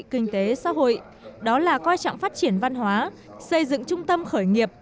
kinh tế xã hội đó là coi trọng phát triển văn hóa xây dựng trung tâm khởi nghiệp